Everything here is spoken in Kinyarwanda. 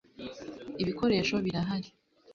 Ibikoresho birahari